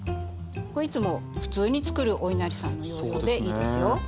これいつも普通に作るおいなりさんの要領でいいですよ。